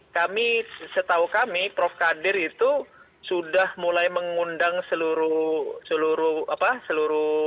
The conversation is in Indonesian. kami setahu kami prof kadir itu sudah mulai mengundang seluruh